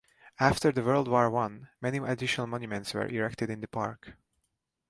After the World War One many additional monuments were erected in the park.